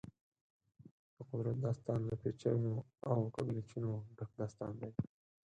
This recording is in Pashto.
د قدرت داستان له پېچومو او کږلېچونو ډک داستان دی.